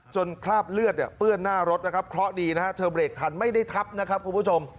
คราบเลือดเนี่ยเปื้อนหน้ารถนะครับเคราะห์ดีนะฮะเธอเบรกทันไม่ได้ทับนะครับคุณผู้ชม